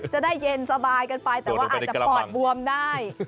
จะได้เย็นสบายกันไปแต่ว่าอาจจะปอดบวมได้